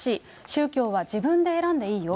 宗教は自分で選んでいいよ。